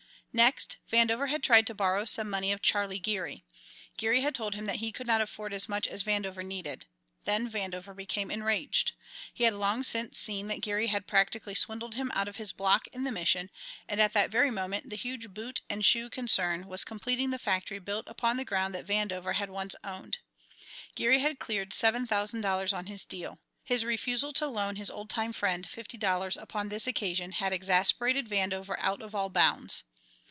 Next, Vandover had tried to borrow some money of Charlie Geary. Geary had told him that he could not afford as much as Vandover needed. Then Vandover became enraged. He had long since seen that Geary had practically swindled him out of his block in the Mission, and at that very moment the huge boot and shoe "concern" was completing the factory built upon the ground that Vandover had once owned. Geary had cleared seven thousand dollars on his "deal." His refusal to loan his old time friend fifty dollars upon this occasion had exasperated Vandover out of all bounds.